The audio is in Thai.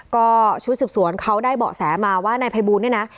ก็ชุดสืบสวนเขาได้เบาะแสมาว่านายภัยบูลเนี่ยนะ